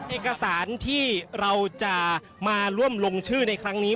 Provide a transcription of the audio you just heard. เอกสารที่เราจะมาร่วมลงชื่อในครั้งนี้